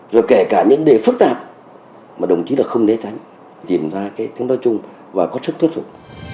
rồi kể cả những vấn đề phức tạp mà đồng chí là không để tránh tìm ra cái tính đối chung và có sức thuyết phục